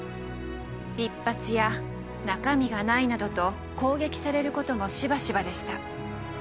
「一発屋」「中身がない」などと攻撃されることもしばしばでした。